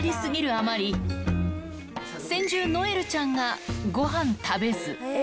あまり、先住、ノエルちゃんがごはん食べず。